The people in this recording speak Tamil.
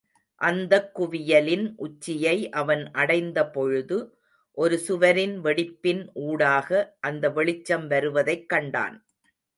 அந்தக் குவியலின் உச்சியை அவன் அடைந்தபொழுது ஒரு சுவரின் வெடிப்பின் ஊடாக அந்த வெளிச்சம் வருவதைக் கண்டான்.